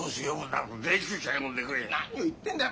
何を言ってんだよ。